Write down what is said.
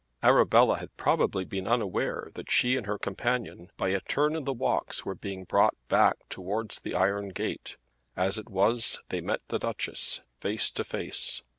Arabella had probably been unaware that she and her companion by a turn in the walks were being brought back towards the iron gate. As it was they met the Duchess face to face.